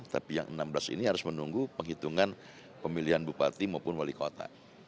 tapi yang enam belas ini harus menunggu penghitungan pemilihan bupati maupun wali kota